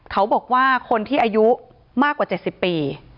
เขาบอกว่าคนที่อายุมากกว่า๗๐ปี